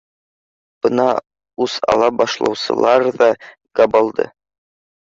Бына үс ала башлаусылар ҙа габылды